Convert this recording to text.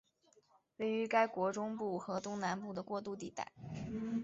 位于该国中部和东南部的过渡地带。